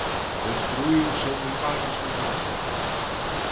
Construíuse moi mal nas últimas décadas.